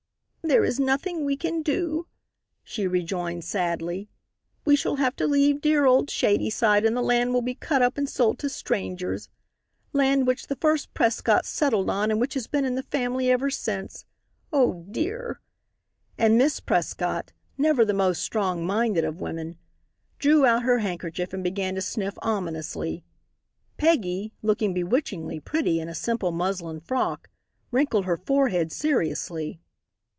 "There is nothing we can do," she rejoined, sadly. "We shall have to leave dear old Shadyside and the land will be cut up and sold to strangers. Land which the first Prescott settled on and which has been in the family ever since. Oh, dear!" and Miss Prescott, never the most strong minded of women, drew out her handkerchief and began to sniff ominously. Peggy, looking bewitchingly pretty in a simple muslin frock, wrinkled her forehead seriously.